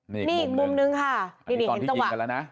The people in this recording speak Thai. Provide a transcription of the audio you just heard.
นี่อีกมุมนึงค่ะนี่เห็นตั้งวันอันนี้ตอนที่ยิงกันแล้วนะ